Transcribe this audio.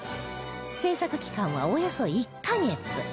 製作期間はおよそ１カ月